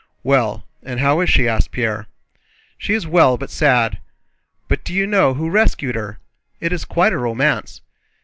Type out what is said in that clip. "Well, and how is she?" asked Pierre. "She is well, but sad. But do you know who rescued her? It is quite a romance.